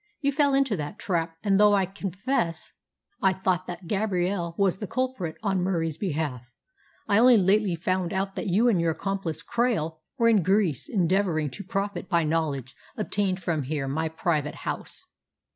You fell into that trap, and though I confess I thought that Gabrielle was the culprit, on Murie's behalf, I only lately found out that you and your accomplice Krail were in Greece endeavouring to profit by knowledge obtained from here, my private house."